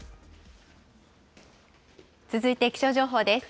続いて気象情報です。